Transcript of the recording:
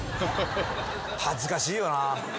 恥ずかしいよな。